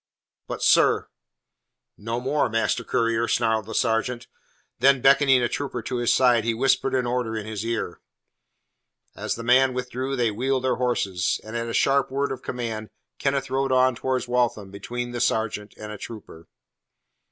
"But, sir " "No more, master courier," snarled the sergeant. Then, beckoning a trooper to his side, he whispered an order in his ear. As the man withdrew they wheeled their horses, and at a sharp word of command Kenneth rode on towards Waltham between the sergeant and a trooper.